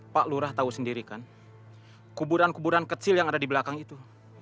pak lurah tahu sendiri kan kuburan kuburan kecil yang ada di belakang itu